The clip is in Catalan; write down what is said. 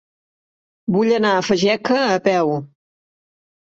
Vull anar a Fageca a peu.